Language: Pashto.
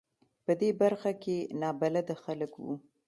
په دې برخه کې نابلده خلک و.